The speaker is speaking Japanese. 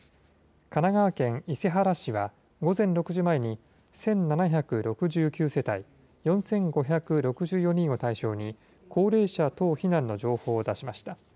神奈川県伊勢原市は、午前６時前に１７６９世帯４５６４人を対象に、高齢者等避難の情報を出しました。